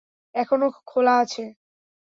এখনও খোলা আছে।